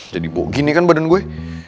jadi bogi nih kan badan gue